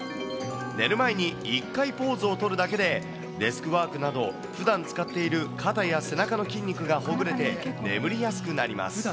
寝る前に１回ポーズを取るだけで、デスクワークなど、ふだん使っている肩や背中の筋肉がほぐれて、眠りやすくなります。